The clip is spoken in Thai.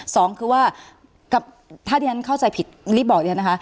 สองคือว่าถ้าที่ฉันเข้าใจผิดรีบบอกดิฉันนะคะ